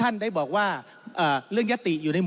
ท่านประธานก็เป็นสอสอมาหลายสมัย